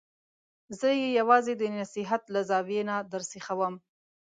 زه یې یوازې د نصحت له زاویې نه درسیخوم.